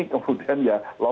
kemudian ya ya